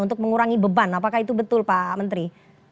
untuk mengurangi beban apakah itu betul pak menteri